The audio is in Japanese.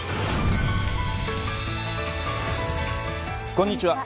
こんにちは。